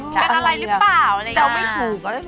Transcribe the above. เป็นอะไรหรือเปล่าอะไรยังงั้น